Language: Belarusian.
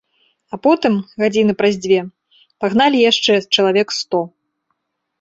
А потым, гадзіны праз дзве, пагналі яшчэ чалавек сто.